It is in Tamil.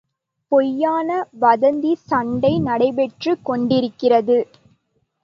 பொய்யான வதந்தி சண்டை நடைபெற்றுக் கொண்டிருக்கிறது.